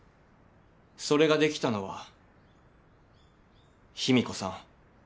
それができたのは秘美子さん